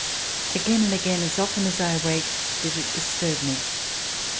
Again and again, as often as I awaked, did it disturb me.